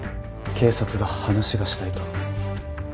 警察が話がしたいと。